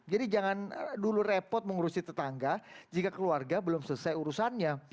jadi jangan dulu repot mengurusi tetangga jika keluarga belum selesai urusannya